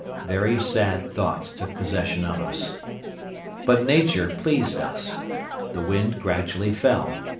Very sad thoughts took possession of us. But Nature pleased us. The wind gradually fell.